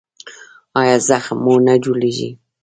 ایا زخم مو نه جوړیږي؟